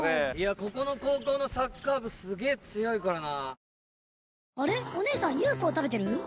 ここの高校のサッカー部すげぇ強いからな。